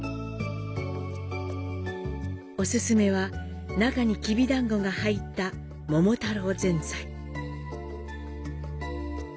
お勧めは、中にきびだんごが入った桃太郎ぜんざい。